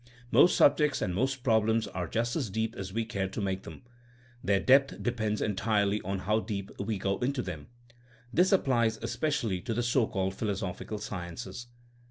Most subjects and most problems are just as deep as we care to make them. Their depth depends entirely on how deep we go into them. This applies espe cially to the so called philosophical sciences.